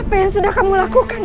apa yang sudah kamu lakukan